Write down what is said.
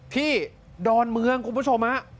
ดอนเมืองคุณผู้ชมฮะ